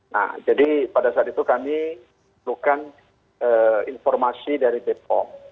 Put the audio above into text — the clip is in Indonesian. nah jadi pada saat itu kami perlukan informasi dari bepom